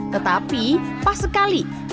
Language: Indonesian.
tetapi pas sekali